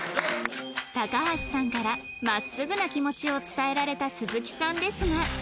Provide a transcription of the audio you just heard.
高橋さんから真っすぐな気持ちを伝えられた鈴木さんですが